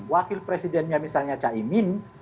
wakil presidennya misalnya caimin